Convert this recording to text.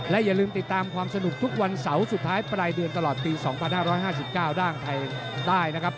อย่าลืมติดตามความสนุกทุกวันเสาร์สุดท้ายปลายเดือนตลอดปี๒๕๕๙ด้านไทยได้นะครับ